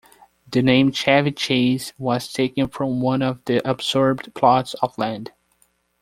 The name "Chevy Chase" was taken from one of the absorbed plots of land.